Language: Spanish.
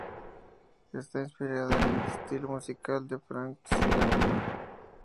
Está inspirada en el estilo musical de Frank Sinatra.